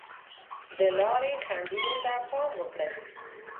د لارې خنډونو ته پام وکړئ.